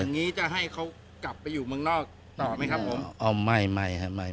อย่างนี้จะให้เขากลับไปอยู่เมืองนอกต่อไหมครับผม